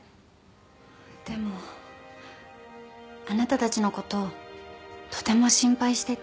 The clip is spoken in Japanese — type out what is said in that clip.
でもあなたたちのこととても心配してて。